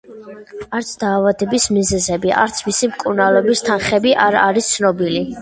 არც დაავადების მიზეზები, არც მისი მკურნალობის თანხები არ არის ცნობილი.